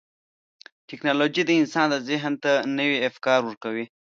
ټکنالوجي د انسان ذهن ته نوي افکار ورکوي.